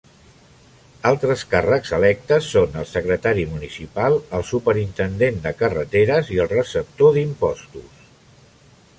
Altres càrrecs electes són el secretari municipal, el superintendent de carreteres i el receptor d'impostos.